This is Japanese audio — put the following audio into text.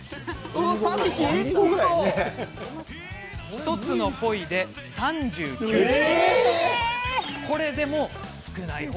１つのポイで３９匹。